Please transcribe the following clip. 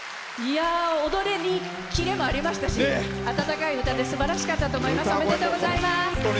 踊りにキレもありましたし温かい歌ですばらしかったと思います。